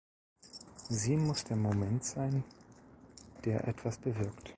Sie muss der Moment sein, der etwas bewirkt.